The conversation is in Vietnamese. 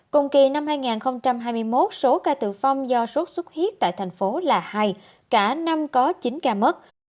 cùng kỳ năm hai nghìn hai mươi một số ca tự phong do sốt xuất huyết tại tp hcm là hai cả năm có chín ca mất